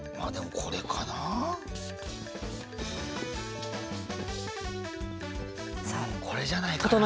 これじゃないかな。